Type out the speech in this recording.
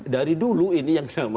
dari dulu ini yang namanya headspace